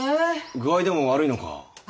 具合でも悪いのか？